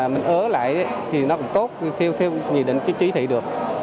mình ở lại thì nó cũng tốt theo nhìn định trí thị được